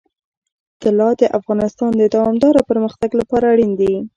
طلا د افغانستان د دوامداره پرمختګ لپاره اړین دي.